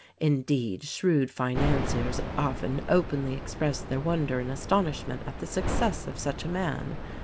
Indeed, shrewd financiers often openly expressed their wonder and astonishment at the success of such a man.